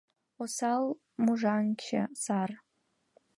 Осал мужаҥче — сар.